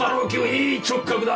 いい直角だ！